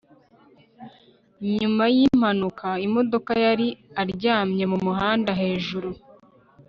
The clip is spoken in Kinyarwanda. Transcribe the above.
nyuma yimpanuka, imodoka yari aryamye mumuhanda hejuru